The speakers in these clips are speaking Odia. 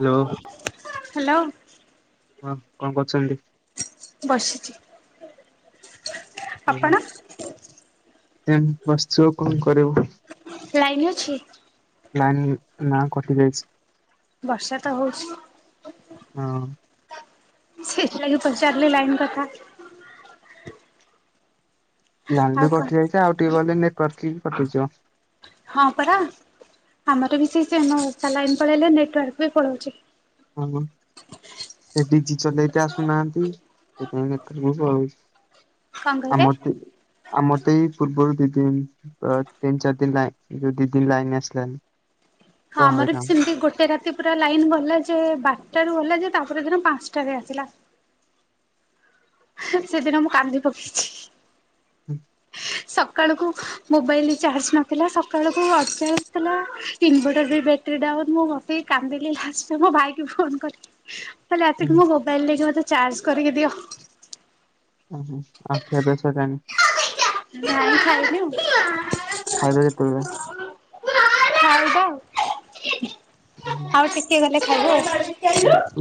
Hello hello. ହଁ କଣ କରୁଛନ୍ତି? ବସିଛି। ହ ଆପଣ ତା [unintelligible] ବସିିବ କଣ କରିବୁ? ଲାଇନ ଅଛି? ଲାଇନ୍ ନାଁ କଟି ଯାଇଛି। ବର୍ଷା ତ ହଉଛି। ହଁ ସେଥିଲାଗି ପଚାରିଲି ଲାଇନ କଥା। ଲ ଆଉ ବି କଣ? କଟିଯାଇଛି ଆଉ ଟିକେ ଗଲେ ନେଟୱାର୍କ କଟିଯିବ। ହଁ ପରା ଆମର ବି ସେ ସେମ ଲାଇନ ପଳେଇଲେ ନେଟୱାର୍କ ବି ପଳଉଛି। ହଁ ସେ ଡିଜି ଚଲେଇକ ଆସୁନାହାନ୍ତି ସେଥିପାଇଁ ଦେଖାକୁଉ କଣ [unintelligible] କହିଲେ? ଆମଟୁ। ଆମର ତ ଏଇ ପୂର୍ବରୁ ଦି ଦିନ ତିନି ଚାରି ଦିନ ଲାଇନ୍ ଯଉ ଦି ଦିନ ଲାଇନ ଆସିଲାନି। ହଁ ପୁରା ଆମର ବି ହଇରାଣ ସେମିତି ଗୋଟେ ରାତି ପୁରା ଲାଇନ ଗଲା ଯେ ବାରଟାରୁ ଗଲା ଯେ ତାପରେ ଦିନ ପାଞ୍ଚଟାରେ ଆସିଲା। ସେଦିନ ମୁଁ କାନ୍ଦି ପକେଇଛି। ହୁଁ। ସକାଳକୁ ମୋବାଇଲ ଚାର୍ଜ ନଥିଲା ସକାଳକୁ [unintelligible] ଥିଲା। ଇନଭର୍ଟର ବି ବ୍ୟାଟେରି ଡାଉନ ମୁଁ ବସିକି କାନ୍ଦିଲି ଲାଷ୍ଟ ମୋ ଭାଇକ ଫୋନ କରିକି। କାଲି ହୁଁ ରାତିକି ମୋ ମୋବାଇଲରେ ମୋତେ ଚାର୍ଜ କରିକି ଦିଅ। ଓ ଆଉ ଖିଆ ପିୟା ସାଇଲାନି? ନାଇ ଖାଇନି ଖାଇବେ ଆଉ। କେତେବେଳେ? ଖାଇବା ଆଉ ଆଉ ଟିକେ ଗଲେ ଖାଇବୁ ଆଉ।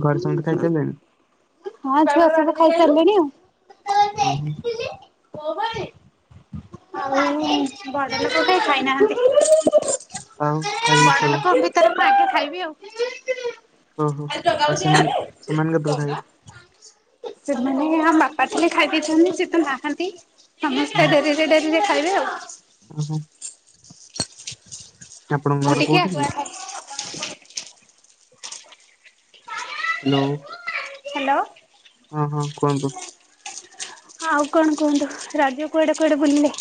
ଘରେ ସମସ୍ତେ ଖାଇସାରିଲେଣି? ହଁ ଛୁଆ ସବୁ ଖାଇସାରିଲେଣି ଆଉ। ହଁ ହଁ। କଣ ପାଇଁ? ଆଉ ବଡ ଲୋକକେହି ଖାଇନାହାନ୍ତି। ଆଉ ଖାଲି ପ୍ରୋ। ଏଥର ମୁଁ ଆଗେ ଖାଇବି ଆଉ। ଓହୋ ଆଉ ସେମାନେ ସେମାନେ କେତେବେଳେ ସେମାନେ ଆ ବାପା ଥିଲେ ଖାଇ ଦେଇେଇଛନ୍ତି ସେ ତ ନାହାନ୍ତି। ସମସ୍ତେ ଖାଇବେ ଡେରିରେ ଡେରିରେ ଖାଇବେ ଆଉ। ଓହୋ। ଆପଣଙ୍କ ମୁଁ ଘର ଟିକେ କୋଉଠି କି? ଆଗୁଆ ଖାଏ। [inaudible] ହ୍ୟାଲୋ। ହ୍ୟାଲୋ। ହଁ-ହଁ କୁହନ୍ତୁ। ଆଉ କଣ କୁହନ୍ତୁ, ରଜ କୁଆଡେ କୁଆଡେ ବୁଲିଲେ?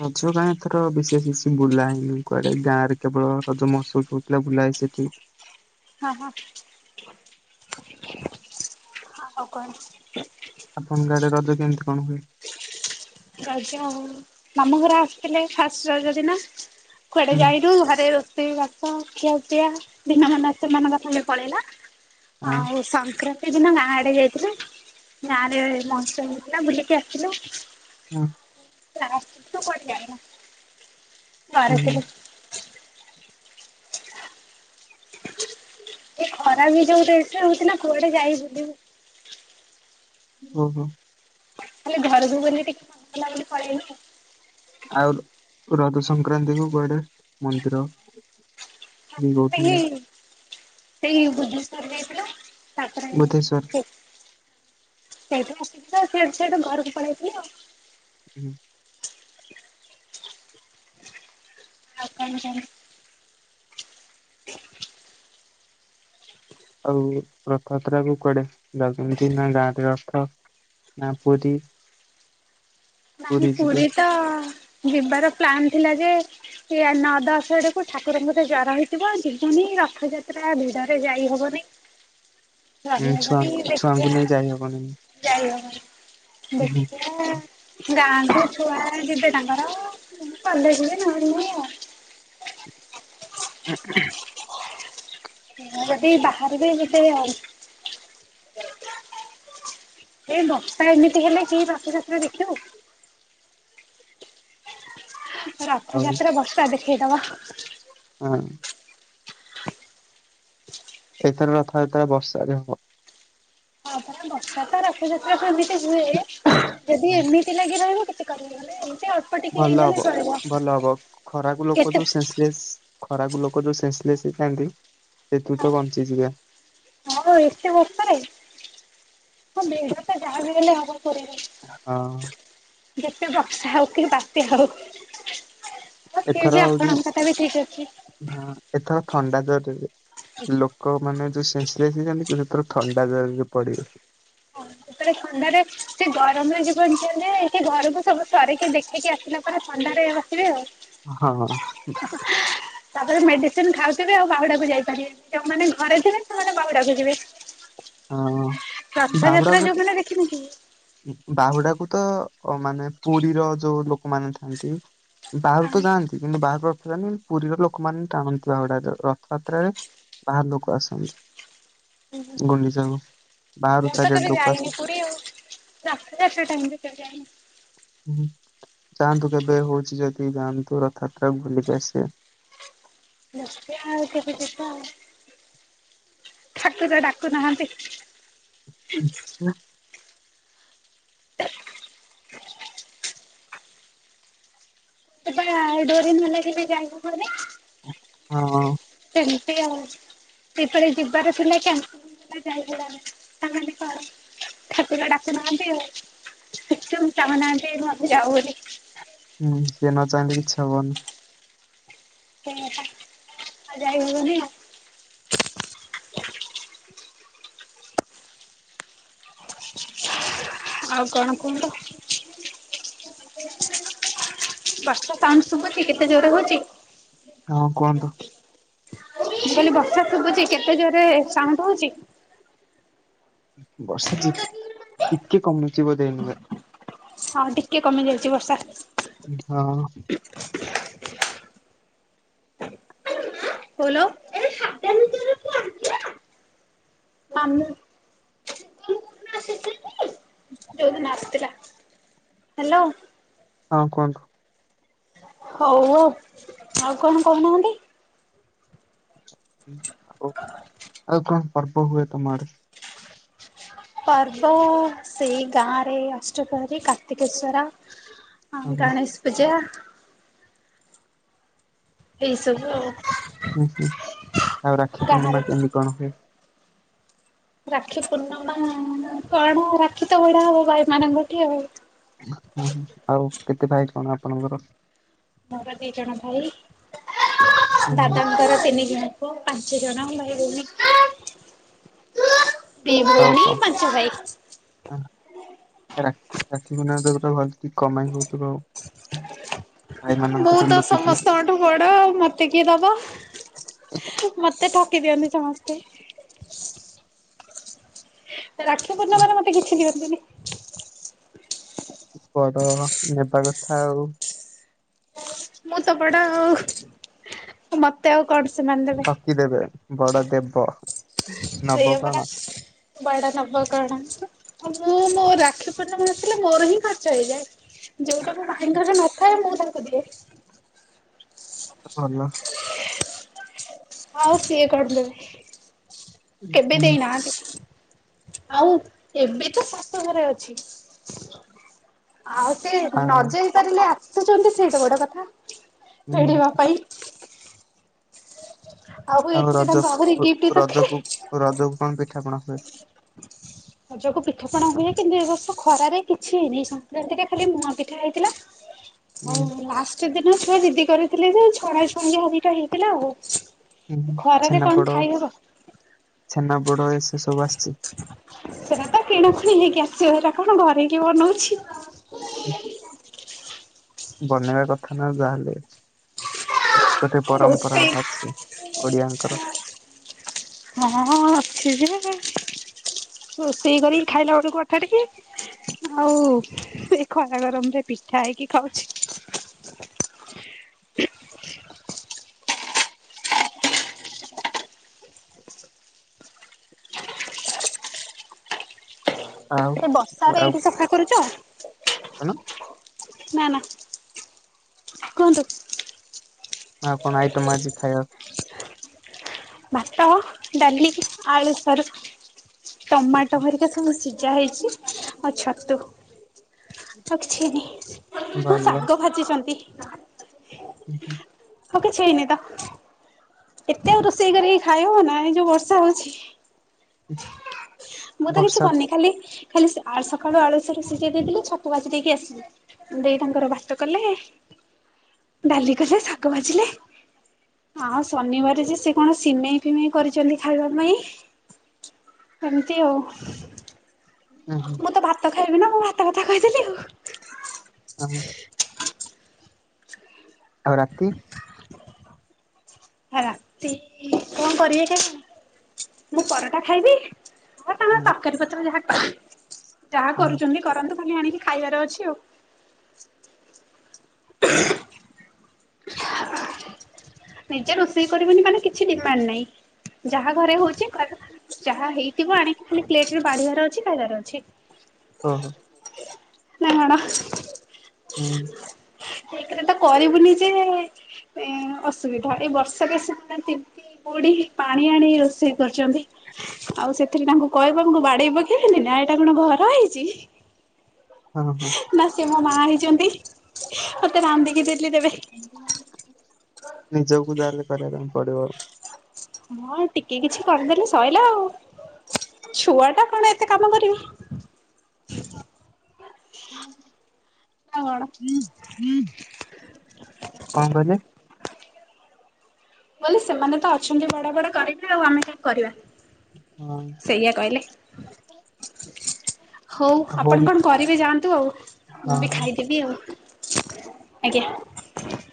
ରଜ କାଇଁ ଏଥର ବିଶେଷ ବୁଲା ହେନି କୁଆଡେ ଗାଁ ରେ କେବଳ ରଜ ମହୋତ୍ସବ ହଉ ଭୁଲା ହେ ସେ କି। ହଁ ହଁ। ହ ଆଉ କଣ? ଆପଣଙ୍କ ଗାଡେ ରଜ କେମିତି କଣ ହୁଏ? ରଜ ମାମୁ ଘର ଆସିଥିଲେ ଫାଷ୍ଟ ରଜ ଦିନ। କୁଆଡେ ହୁଁ ଯାଇ ନୁ ଘରେ ରୋଷେଇ ବାସ ଖିଆ ପିଆ ଦିନମାନ ସେମାନଙ୍କ ସାଙ୍ଗେ ପଳେଇଲା। ଆଉ ସଂକ୍ରାନ୍ତି ସେଦିନ ଗାଁ ଆଡେ ଯାଇଥିଲ। ଗାଁ ରେ ମହୋତ୍ସବ ହେଇଥିଲା ବୁଲିକି ଆସିଥିଲୁ ହଁ। ହୁଁ ହୁଁ ଭରତରେ ଏ ଖରା ବି ଯୋଉ ରେଠରେ ହଉଥିଲା କୁଆଡେ ଯାଇ ବୁଲିବୁ। ଓହୋ। ଖାଲି ଘରକୁ ବୋଲି ଟିକେ [unintelligible] ପଳେଇଲୁ ଆଉ। ଆଉ ରଜ ସଂକ୍ରାନ୍ତି କୁଆଡେ ମନ୍ଦିର କି ତାଙ୍କର କୋଉଠି ସେଇ ସେଇ [inaudible] ଯାଇଥିଲୁ ତା ପରେ ବୁଦ୍ଧେଶ୍ୱର। ସେଇଠୁ ଆସି କି ତ ସିଆଡେ ସିଆଡେ ଘରକୁ ପଳେଇଥିଲି ଆଉ। ହୁଁ। ଆଉ କଣ [inaudible] [inaudible] ଆଉ ରଥଯାତ୍ରା କୁ କୁଆଡେ ଯାଉଛନ୍ତି ନା ଗାଁକୁ ରଥ ନା ପୁରୀ? ନାଇ ପୁରୀ ତ ଯିବାର ପ୍ଲାନ ଥିଲା ଯେ ଏ ନଅ ଦଶ ଆଡକୁ ଠାକୁରଙ୍କର ଜ୍ର ହେଇଥିବ ଯିବନି ରଥଯାତ୍ରା ଭିଡରେ ଯାଇ ହବନି ଉଁ ରହିହବନି ଛୁଆଙ୍କୁ ଦେଖିବା ଛୁଆଙ୍କୁ ନେଇ ଯାଇହବନ ବଖି ଗାଁକୁ ଛୁଆ ଯିବେ ତାଙ୍କର କଲେ ଯ ନ ଆଉ ହଁ ହ ଯଦି ବାହାରିବମତେ ଆଉ ଏ ବତାା ଏମିତି ହେଲେ କି ବାସଯାତ୍ରା ଦେଖିବ ଆଉ ରଥଯାତ୍ରା ବସା ଦେଖେଇଦବା ହଁ ଏଇଥର ରଥଯାତାରେ ବର୍ଷାାରେ ହବ ହଁପଣ ବଷା ତ ରଥଯାତ୍ରା ସେମିତି ହୁଏ ଯଦି ଏମିତି ଲାଗି ରହିବ ମାନଲେ ଏମିତି ଟିକେ ଭଲ ହେଇଗଲେ ହବ ଚଳିବ। ଭଲ ହବ ଖରାକୁ ଲୋକ କେତେ ଯୋଉ ସେ ଖରାପ ଲୋକ ଯୋଉ ସେନ୍ସଲେସ୍ ହେଇଥାନ୍ତି ସେତୁ ତ ବଞ୍ଚିଯିବା ହଁ ଏତେ ବଷାରେ ହଁ ବେ ତ ଯାହା ବି ହେଲେ ହବ କରିବ ହଁ ଯେତେ ବର୍ଷା ହଉ କି ବାତ୍ୟା ହଉ। ହଁ ସିଏ ଏଥର ବି ହଉଛି ଆପଣଙ୍କ କଥା ବି ଠିକ୍ ଅଛି। ହଁ ଏଥର ଥଣ୍ଡା ଜରରେ। ଲୋକମାନେ ଯୋଉ ସେନସଲେସ ହେଇଜାନ୍ତି, ତ ଶେଷରେ ଥଣ୍ଡା ଜରରେ ପଡିଛି। ହଁ ଯେତେବେଳେ ଥଣ୍ଡାରେ ସେ ଗରମରେ ଜୀବନ ଚାଲିଯାଏ କି ଘରକୁ ସବୁ ସରିକି ଦେଖେଇିକି ଆସିଲା ଥଣ୍ଡାରେ ଆସିବେ ଆଉ। ହଁ ହୁଁ। ତାପରେ ମେଡିସିନ ଖାଉଥିବେ ଆଉ ବାହୁଡାକୁ ଯାଇପାରିବେ, ଯୋଉମାନେ ଘରେ ଥିବେ ସେମାନେ ବାହୁଡାକୁ ଯିବେ। ହଁ। ରଥଯାତ୍ରା ବାହୁଡାକୁ ଯୋଉମାନେ ଦେଖିନି କି? ବାହୁଡାକୁ ତ ମାନେ ପୁରୀର ଯୋଉ ଲୋକମାନେ ଥାନ୍ତି। ବାହାରୁ ତ ଯାଆନ୍ତି କିନ୍ତୁ ବାହାରୁ ରଥ ଯାନ୍ତି ପୁରୀର ଲୋକମାନେ ଟାଣନ୍ତି ବାହୁଡା ରଥଯାତ୍ରାରେ। ବାହାର ଲୋକ ଆସନ୍ତି। ଗୁଲି ସାଙ୍ଗ। ମୁଁ ତ କେବେ ଯାଇନି ପୁରୀ ଆଉ ନା ରଥ ଟାଇମରେ ଯାଇନି। ହୁଁ ଯାଆନ୍ତୁ କେବେ ହଉଛି ଯଦି ଯାଆନ୍ତୁ ରଥଯାତ୍ରା ବୁଲିକି ଆସିବେ। ଦେଖିଆ ଆଉ କେବେ ଯିବା ଆଉ। ଠାକୁର ଡାକୁନାହାନ୍ତି। [unintelligible] [unintelligible] ସେଠି ପା ଡୋରି ନ ଲାଗିଲେ ଯାଇ ହବନି। ହଁ। ସେମତି ଆଉ ସେପବେ ଯିବାର ଥିଲା କେମତି ଯାଇ ହେଲାନି ତାମାନେ କଣ ଠାକୁର ଡାକୁନାହାନ୍ତି ଆଉ? [unintelligible] ଚାହୁଁନାହାନ୍ତି ଆମେ ଯାଉ ବୋଲି। ହୁଁ ସିଏ ନ ଚାହିଁଲେ କିଛି ହବନି। ସେୟା ପା ଆଉ ଯାଇ ହବନି ଆଉ। ଆଉ କଣ କୁହନ୍ତୁ? ବର୍ଷ ସାଉଣ୍ଡ ଶୁଭୁଛି କେତେ ଜୋରେ ହଉଛି? ହଁ କୁହନ୍ତୁ? ମୁ କଲି ବର୍ଷା ଶୁଭୁଛି କେତେ ଜୋରେ ସାଉଣ୍ଡ ହଉଛି? ବର୍ଷା ଜି ହଁ ଟିକେ କମୁଛି ବୋଧେ ଏଇନ ଯା। ହଁ ଟିକେ କମି ଯାଇଛି ବର୍ଷା। ହଁ। ହଲୋ ଏ। ଆମେ ଯୋଉଦିନ ଆସିଥିଲା ହ୍ୟାଲୋ। ହଁ କୁହନ୍ତୁ? ହଉ ଆଉ। ଆଉ କଣ କହୁନାହାନ୍ତି? ଆଉ ଆଉ କଣ ପର୍ବ ହୁଏ ତମ ଆଡେ? ପର୍ବ ସେଇ ଗାଁ ରେ ଅଷ୍ଟପହରି, କାର୍ତ୍ତିକେଶ୍ଵର। ହଁ ଗଣେଶ ପୂଜା। ଏଇ ସବୁ ଆଉ। ହୁଁ ହୁଁ ଆଉ ରାକ୍ଷୀ ଗାଁରେ ପୂର୍ଣ୍ଣିମା କେମିତି କଣ ହୁଏ? ରାକ୍ଷୀ ପୂର୍ଣ୍ଣିମା କଣ ରାକ୍ଷୀ ତ ଭିଡ଼ା ହବ ଭାଇ ମାନଙ୍କ ଠି ଆଉ। ଓ ହୋ, ଆଉ କେତେ ଭାଇ କଣ ଆପଣଙ୍କର? ମୋର ଦି ଜଣ ଭାଇ, ହୁଁ ହୁଁ ଦାଦାଙ୍କର ତିନି ଜଣ। ହ ପାଞ୍ଚ ଜଣ ଭାଇ ଭଉଣୀ। ଦି ଭଉଣୀ ପାଞ୍ଚ ଭାଇ। ହଁ। ରାକ୍ଷୀ, ରାକ୍ଷୀ ବିନା [unintelligible] ଦଉଥିବ ମୁଁ ତ ଲୁଟିକି। ସମସ୍ତଙ୍କ ଠୁ ବଡ଼ ଆଉ। ମତେ କିଏ ଦବ? ମତେ ଠକି ଦିଅନ୍ତି ସମସ୍ତେ। ରାକ୍ଷୀ ପୂର୍ଣ୍ଣିମାରେ ମତେ କିଛିି ଦିଅନ୍ତିନି। ବଡ ହୁଅ, ନେବା କଥା ଆଉ। ମୁଁ ତ ବଡ଼ ଆଉ। ମତେ ଆଉ କଣ ସେମାନେ ଦେବେ। କି ଦେବେ, ବଡ ଦେବ। ନବ ସେଇଆ ପରା। କଣ ବଡ ନବ କଣ। ଆ ମୁଁ ମୋ ରାକ୍ଷୀ ପୂର୍ଣ୍ଣିମା ଆସିଲେ ମୋର ହିଁ ଖର୍ଚ୍ଚ ହେଇଯାଏ। ଯୋଉଟା ମୋ ଭାଇଙ୍କର ନଥାଏ, ମୁଁ ତାଙ୍କୁ ଦିଏ। ଭଲ। ଆଉ ସିଏ କରିଦେବେ, କେବେ ହୁଁ, ଦେଇନାହାଁନ୍ତି। ଆଉ ଏବେ ତ ଶାଶୂଘରେ ଅଛି। ଆଉ ସେ ନ ଆଉ ଯେଇ ପାରିଲେ ଆସୁଛନ୍ତି ସେଇଟା ବଡ କଥା, ହୁଁ ସେଇଡି ହେବା ପାଇଁ। ଆଉ ଏଥିରେ ରଜ ତାଙ୍କୁ ଆହୁରି ଉ ଗିଫ୍ଟ ଦରକାର ରଜକୁ ରଜକୁ କଣ ପିଠାପଣା ହୁଏ? ରଜକୁ ପିଠପଣା ହୁଏ କିନ୍ତୁ ଏ ବର୍ଷ ଖରାରେ କିଛି ହେଇନି। ଏଇ ସଂକ୍ରାନ୍ତିରେ ଖାଲି ମୁଆଁ ପିଠା ହେଇଥିଲା ଉଁ ହଉ ହଉ, ଲାଷ୍ଟେ ଦିନ ଛୁଆ ଜିଦି କରିଥିଲେ ଯେ, ଛଣା ଛାଣି ଯାହା ଦିଟା ହେଇଥିଲା ଆଉ। ଏ ହୁଁ ଖରାରେ କଣ ଖାଇହବ। ଛେନା ପୋଡ଼ ଏ ସେସବୁ ଆସିଛି? ସେଟା ତ କିଣା କୁଣି ହେଇକି ଆସିବ, ହେଇରା କଣ ଘରେ କିଏ ବନଉଛି। ହୁଁ। ବନେଇବା କଥା ନା ଆଉ ଯାହେଲେ। ଗୋଟେ ପରମ୍ପରା ରୋଷେଇ ଅଛି ଓଡିଆଙ୍କର। ହଁ ଅଛି ଯେ ରୋଷେଇ କରିକି ଖାଇଲା ବେଳକୁ ଅଠାଟିକି ଆଉ ଏ ଖରା ଗରମରେ ପିଠା ହେଇକି ଖାଉଛି। ଆଉ ଏଠି ବର୍ଷାରେ ଆଉ ଏଇଠି ସଫା କରୁଚ? କଣ? ନା ନା, କୁହନ୍ତୁ। ଆଉ କଣ ଆଇଟମ୍ ଆଜି ଖାଇବାକୁ? ଭାତ, ଡ଼ାଲି, ଆଳୁ, ସାରୁ ଟମାଟୋ ହେରିକା ସବୁ ସିଜା ହେଇଛି, ଆଉ ଛତୁ। ମାଛ କିଛି ହେଇନି। ଭଲ। ଶିଖିଛନ୍ତି। [inaudible] ଆଉ କିଛି ହେଇନି ତ। ଏତେ ଆଉ ରୋଷେଇ କରିକି ଖାଇ ହବ ନା, ଏ ଯୋଉ ବର୍ଷା ହଉଛି। ମୁଁ ତ କିଛି ବର୍ଷା କରିନି। ଖାଲି ଖାଲି ଆ ସକାଳୁ ଆଳୁୁ, ସାରୁ ସିଝେଇ ଦେଇଥିଲି, ଛତୁ ଭାଜି ଦେଇକି ଆସିଲି। ଦେଇ ତାଙ୍କର ଭାତ କଲେ, ଡାଲି କଲେ, ଶାଗ ଭାଜିଲେ ଆଉ ଶନିବାରେ ଯେ, ସିଏ କଣ ସିମେଇ ଫିମେଇ କରିଛନ୍ତି ଖାଇବା ପାଇଁ। ଏମତି ଆଉ। ହୁଁ ହୁଁ। ମୁଁ ତ ଭାତ ଖାଇବି ନା, ମୁଁ ଭାତ କଥା କହିଦେଲି ଆଉ। ଆଁ ଆଉ ରାତି? ରାତି, କଣ କରିବେ କେଜାଣି? ମୁଁ ପରଟା ଖାଇବି ହୁଁ। ତକାରୀ ପତ୍ର ଯାହା ଯାହା ହୁଁ, କରୁଚନ୍ତି କରନ୍ତୁ, ଖାଲି ଆଣିକି ଖାଇବାର ଅଛି ଆଉ। [inaudible] ନିଜେ ରୋଷେଇ କରିବନି ମାନେ କିଛି ଡିମାଣ୍ଡ ନାହିଁ, ଯାହା ଘରେ ହଉଛି ଘର ଯାହା ହେଇଥିବ ଆଣିକି ଖାଲି ପ୍ଲେଟରେ ବାଢିବାର ଅଛି ଖାଇବାର ଅଛି। ହଁ ହଁ। ନାଇ ମାଡ। ହୁଁ। ସେଇଥିରେ ତ କରିବୁନି ଯେ ଏଁ ଅ ଅସୁବିଧା ଏଇ ବର୍ଷକ ସେମାନେ ତିନ୍ତି ବୁଡି ପାଣି ଆଣି ରୋଷେଇ କରୁଛନ୍ତି। ଆଉ ସେଥିରେ ତାଙ୍କୁ କହିବାଙ୍କୁ ବାଡେଇ ପକେଇଥିଲି ନା ଏଇଟା କଣ ଘର ହେଇଛି। ହଁ ହଁ। ନା ସେ ମୋ ମା ହେଇଛନ୍ତି, ମତେ ରାନ୍ଧିକି ଦେଲି ଦେବେ। ନିଜକୁ ତାହାଲେ କରିବା ପାଇଁ ପଡିବ। ହଁ ଟିକେ କିଛି କରିଦେଲେ ସଇଲା ଆଉ ଛୁଆଟା କଣ ଏତେ କାମ କରିବି। କଣ। କଣ କହିଲେ? ବୋଲି ସେମାନେ ତ ଅଛନ୍ତି ବଡ ବଡ କରିବେ, ଆଉ ଆମେ କେହି କରିବାନି। ହଁ ସେଇଆ କହିଲେ। ହଉ ଆପଣ ହୋମ୍ କଣ କରିବେ ଯାଆନ୍ତୁ, ଆଉ ହଁ ମୁଁ ବି ହଁ। ଖାଇଦେବି ଆଉ ଆଜ୍ଞା।